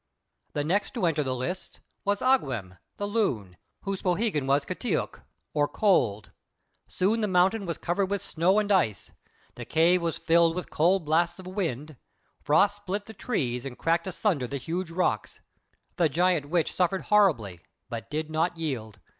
The next to enter the lists was Āgwem, the Loon, whose poohegan was "K'taiūk," or Cold. Soon the mountain was covered with snow and ice, the cave was filled with cold blasts of wind, frosts split the trees and cracked asunder the huge rocks. The Giant Witch suffered horribly, but did not yield.